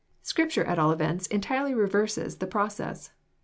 Scripture at all events entirely reverses the process.